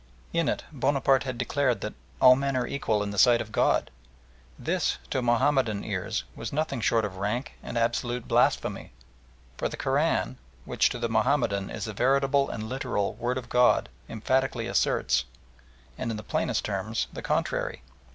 In it Bonaparte had declared that "all men are equal in the sight of God." This, to Mahomedan ears, was nothing short of rank and absolute blasphemy, for the Koran, which to the Mahomedan is the veritable and literal "Word of God," emphatically asserts, and in the plainest terms, the contrary.